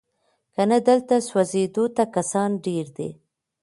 کنه دلته سوځېدو ته کسان ډیر دي